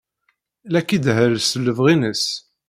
La k-idehhel s lebɣi-nnes.